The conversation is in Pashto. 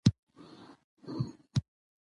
مېلې د ټولني د فرهنګ پېژندني مهم عامل دئ.